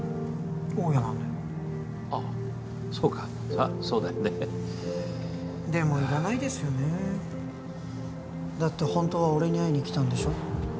大家なんであっそうかあっそうだよねでも要らないですよねだってホントは俺に会いに来たんでしょ？